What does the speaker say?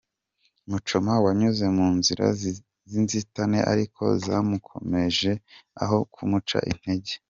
Muchoma wanyuze mu nzira z'inzitane ariko zamukomeje aho kumuca intege.